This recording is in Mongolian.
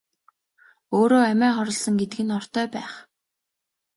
Өөрөө амиа хорлосон гэдэг нь ортой байх.